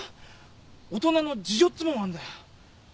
大人の事情っつうもんがあんだよ。